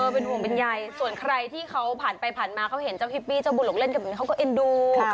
เป็นห่วงเป็นใยส่วนใครที่เขาผ่านไปผ่านมาเขาเห็นเจ้าฮิปปี้เจ้าบุญหกเล่นกับมิ้นเขาก็เอ็นดู